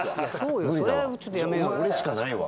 しま俺しかないわ。